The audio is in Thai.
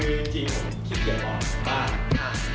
คือจริงขี้เกียจออกจากบ้าน